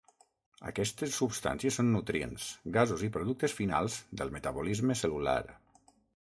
Aquestes substàncies són nutrients, gasos i productes finals del metabolisme cel·lular.